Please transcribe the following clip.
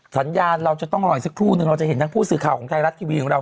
สัญญาณเราจะต้องรออีกสักครู่นึงเราจะเห็นทั้งผู้สื่อข่าวของไทยรัฐทีวีของเรา